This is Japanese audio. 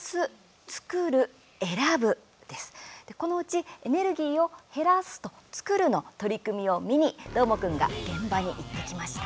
このうち、エネルギーを減らすと作るの取り組みを見にどーもくんが現場に行ってきました。